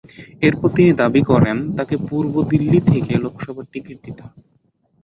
এরপর তিনি দাবি করেন, তাঁকে পূর্ব দিল্লি থেকে লোকসভার টিকিট দিতে হবে।